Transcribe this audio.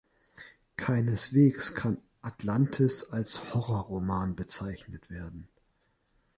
Keineswegs kann "Atlantis" als Horrorroman bezeichnet werden.